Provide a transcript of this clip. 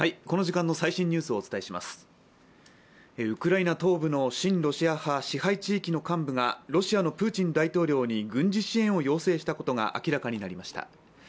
ウクライナ東部の親ロシア派支配地域の幹部がロシアのプーチン大統領に軍事支援を要請したことが明らかになりました。